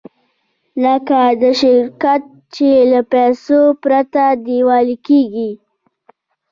لکه د شرکت چې له پیسو پرته ډیوالي کېږي.